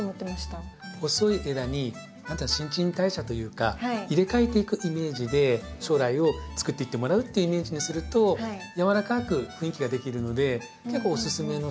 細い枝に新陳代謝というか入れ替えていくイメージで将来をつくっていってもらうっていうイメージにするとやわらかく雰囲気ができるので結構おすすめのせん定方法になりますね。